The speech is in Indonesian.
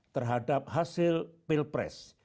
terhadap hasil pilpres